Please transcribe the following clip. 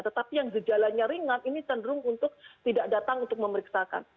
tetapi yang gejalanya ringan ini cenderung untuk tidak datang untuk memeriksakan